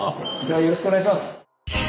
よろしくお願いします。